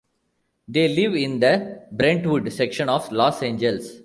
They live in the Brentwood section of Los Angeles.